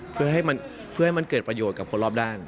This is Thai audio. เพื่อให้มันเกิดประโยชน์กับคนรอบด้าน